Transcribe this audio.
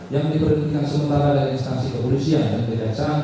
yang diberhentikan sementara dari instansi kepolisian dan kejaksaan